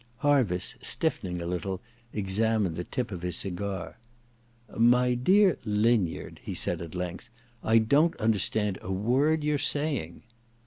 Harviss, stiffening a little, examined the tip of his cigar. *My dear linyard,' he said at length, *I don't understand a word you're saying.'